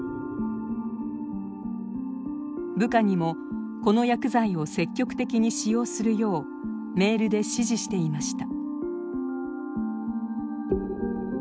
部下にもこの薬剤を「積極的」に使用するようメールで指示していました。